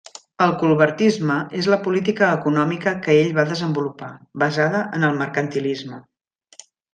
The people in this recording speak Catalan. El colbertisme és la política econòmica que ell va desenvolupar, basada en el mercantilisme.